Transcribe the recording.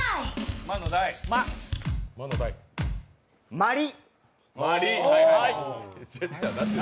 まり。